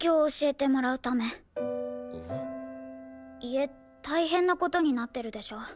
家大変な事になってるでしょ？